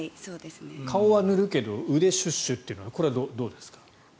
顔は塗るけど腕シュッシュというのはこれはどうですか？